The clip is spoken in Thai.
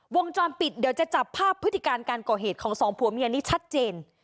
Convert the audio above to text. วงจรปิดเดี๋ยวจะจับภาพพฤติการการก่อเหตุของสองผัวเมียนี้ชัดเจน